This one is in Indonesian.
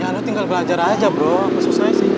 ya lu tinggal belajar aja bro apa susahnya sih